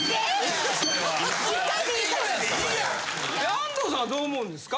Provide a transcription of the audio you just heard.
安藤さんはどう思うんですか？